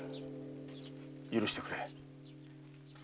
許してくれ。